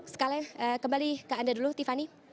sekali kembali ke anda dulu tiffany